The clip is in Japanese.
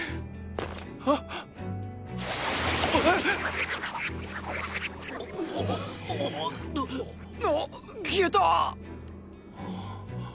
あっ⁉あぁっ⁉なっ消えた！